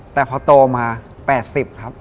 แต่พอโตมา๘๐ครับ